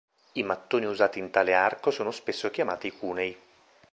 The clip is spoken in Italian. I mattoni usati in tale arco sono spesso chiamati cunei.